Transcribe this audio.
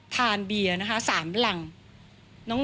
ทานเบียร์๓หลัง